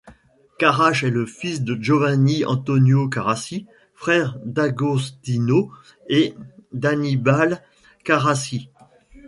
Carrache est le fils de Giovanni Antonio Carracci, frère d'Agostino et d'Annibale Carracci.